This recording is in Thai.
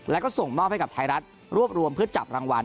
แล้วก็ส่งมอบให้กับไทยรัฐรวบรวมเพื่อจับรางวัล